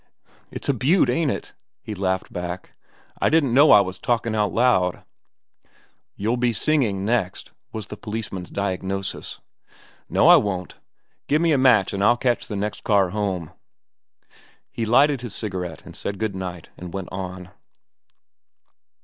"It's a beaut, ain't it?" he laughed back. "I didn't know I was talkin' out loud." "You'll be singing next," was the policeman's diagnosis. "No, I won't. Gimme a match an' I'll catch the next car home." He lighted his cigarette, said good night, and went on.